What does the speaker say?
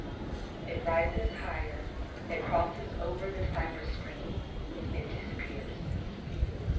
It rises higher, it crosses over the cypress screen, it disappears.